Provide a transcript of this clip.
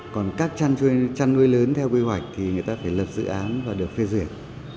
còn các chăn nuôi lớn theo quy hoạch thì người ta phải lập dự án và được phê duyệt